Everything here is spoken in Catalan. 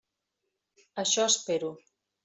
Això espero.